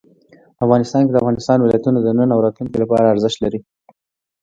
افغانستان کې د افغانستان ولايتونه د نن او راتلونکي لپاره ارزښت لري.